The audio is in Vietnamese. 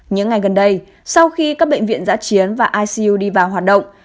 những ngày gần đây sau khi các bệnh viện giã chiến và icu đi vào hoạt động